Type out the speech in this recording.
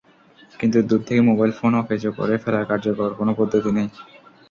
কিন্তু দূর থেকে মোবাইল ফোন অকেজো করে ফেলার কার্যকর কেনো পদ্ধতি নেই।